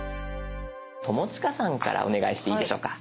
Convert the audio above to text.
友近さんからお願いしていいでしょうか。